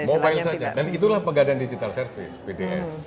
mobile saja dan itulah pegadaan digital service pds